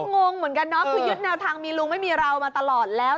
งงเหมือนกันเนาะคือยึดแนวทางมีลุงไม่มีเรามาตลอดแล้ว